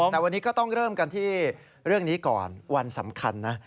แต่วันนี้ก็ต้องเริ่มกันที่เรื่องนี้ก่อนวันสำคัญนะ